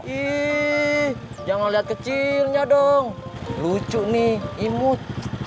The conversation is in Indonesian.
ih jangan lihat kecilnya dong lucu nih imut